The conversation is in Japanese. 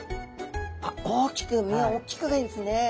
あっ大きく身はおっきくがいいですね。